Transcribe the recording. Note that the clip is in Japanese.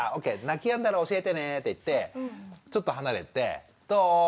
泣きやんだら教えてね」って言ってちょっと離れて「どう？泣きやんだ？